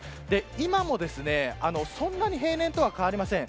今もそんなに平年とは変わりません。